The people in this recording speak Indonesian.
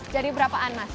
jadi berapaan mas